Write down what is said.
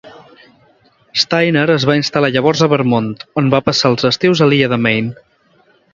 Steiner es va instal·lar llavors a Vermont, on va passar els estius a l'illa de Maine.